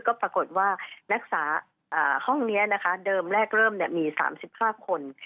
ก็ปรากฏว่านักศึกษาห้องนี้นะคะเดิมแรกเริ่มมี๓๕คน